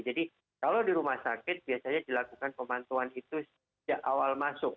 jadi kalau di rumah sakit biasanya dilakukan pemantauan itu sejak awal masuk